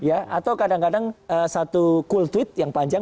atau kadang kadang satu cool tweet yang panjang